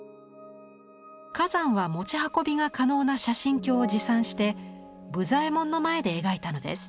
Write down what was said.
崋山は持ち運びが可能な写真鏡を持参して武左衛門の前で描いたのです。